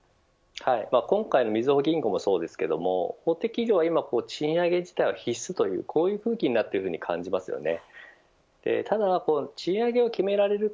今回のみずほ銀行もそうですけども基本的には今賃上げ自体は必須という、こういう雰囲気になっているように感じますね。